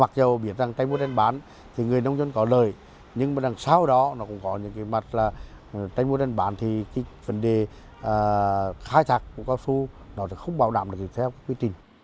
khai thác mủ cao su không bảo đảm được những kế hoạch quy trình